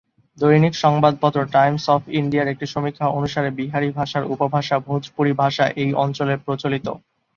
দৈনিক সংবাদপত্র Times of ইন্ডিয়ার একটি সমীক্ষা অনুসারে, বিহারি ভাষার উপভাষা ভোজপুরি ভাষা এই অঞ্চলে প্রচলিত।